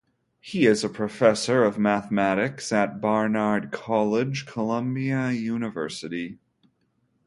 He is a professor of mathematics at Barnard College, Columbia University.